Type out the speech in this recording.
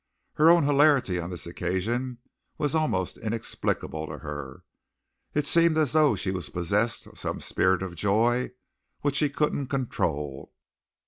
Her own hilarity on this occasion was almost inexplicable to her. It seemed as though she was possessed of some spirit of joy which she couldn't control.